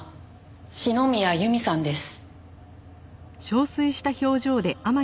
篠宮由美さんです。